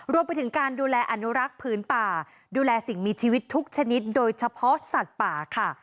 รวมไปถึงการดูแลอนุรักษ์ผืนป่าดูแลสิ่งมีชีวิตทุกชนิดโดยเฉพาะสัตว์ป่าค่ะ